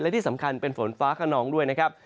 และที่สำคัญเป็นฝนฟ้าขนองด้วยนะครับ